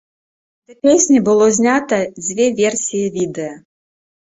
Да песні было знятае дзве версіі відэа.